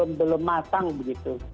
ini belum matang begitu